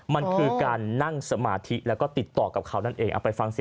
มันคือการนั่งสมาธิแล้วก็ติดต่อกับเขานั่นเอง